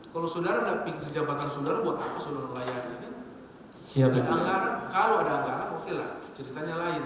kalau sudara sudah pikir jabatan sudara buat apa sudara bayangin